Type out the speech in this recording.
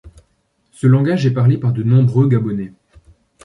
Ce langage est parlé par de nombreux gabonais.